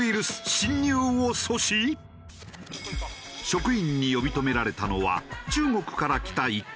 職員に呼び止められたのは中国から来た一家。